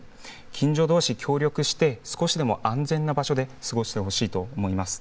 近所どうし協力して、少しでも安全な場所で過ごしてほしいと思います。